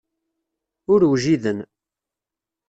Ur wjiden.